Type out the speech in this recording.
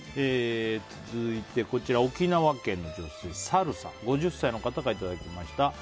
続いて、沖縄県の女性５０歳の方からいただきました。